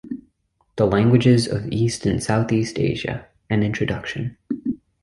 The languages of East and Southeast Asia: an introduction.